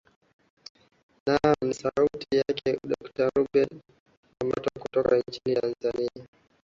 naam ni sauti yake dokta ruben omato kutoka nchini tanzania